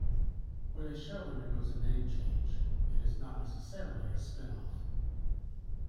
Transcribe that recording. When a show undergoes a name change, it is not necessarily a spin-off.